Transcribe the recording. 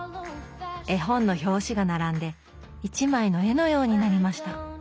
絵本の表紙が並んで一枚の絵のようになりました。